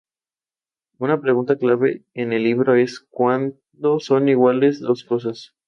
A la semana siguiente sus restos fueron trasladados a Nueva York, y posteriormente cremados.